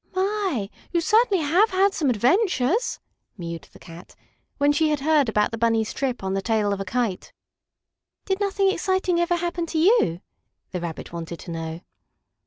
"My! you certainly have had some adventures," mewed the Cat, when she had heard about the Bunny's trip on the tail of a kite. "Did nothing exciting ever happen to you?" the Rabbit wanted to know.